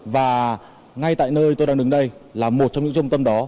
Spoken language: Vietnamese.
và ngay tại nơi tôi đang đứng đây là một trong những trung tâm đó